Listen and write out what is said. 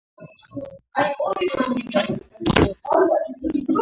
ამ სექტორის მართვას ტურიზმის ეროვნული სააგენტო ახორციელებს.